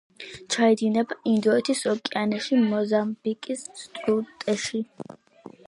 ჩაედინება ინდოეთის ოკეანეში, მოზამბიკის სრუტეში.